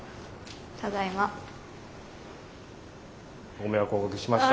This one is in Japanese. ご迷惑をおかけしました。